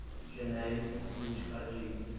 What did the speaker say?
genérica, multiparadigma